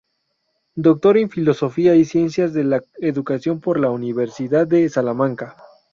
Doctor en Filosofía y Ciencias de la Educación por la Universidad de Salamanca.